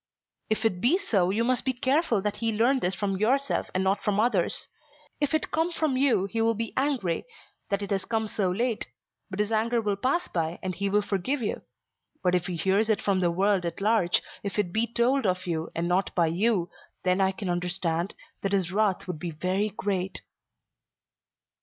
"If it be so you must be careful that he learn this from yourself, and not from others. If it come from you he will be angry, that it has come so late. But his anger will pass by and he will forgive you. But if he hears it from the world at large, if it be told of you, and not by you, then I can understand, that his wrath should be very great."